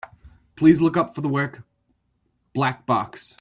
Please look up for the work, Black Box.